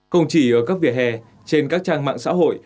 không chỉ ở các vỉa hè trên các trang mạng xã hội